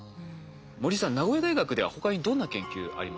森さん名古屋大学では他にどんな研究ありますか？